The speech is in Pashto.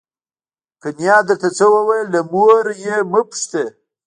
که نیا درته څه وویل له مور یې مه پوښته.